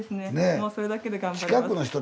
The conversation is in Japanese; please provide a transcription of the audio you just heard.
もうそれだけで頑張れます。